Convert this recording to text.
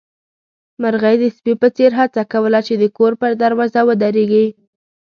مرغۍ د سپي په څېر هڅه کوله چې د کور پر دروازه ودرېږي.